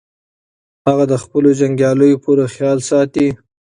هغه د خپلو جنګیالیو پوره خیال ساته.